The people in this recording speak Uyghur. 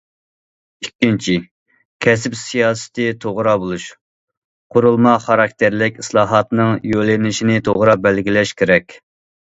ئىككىنچى، كەسىپ سىياسىتى توغرا بولۇش، قۇرۇلما خاراكتېرلىك ئىسلاھاتنىڭ يۆنىلىشىنى توغرا بەلگىلەش كېرەك.